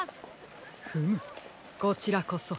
フムこちらこそ。